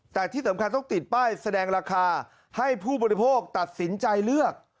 แต่ที่สำคัญต้องติดป้ายแสดงราคาให้ผู้บริโภคตัดสินใจเลือก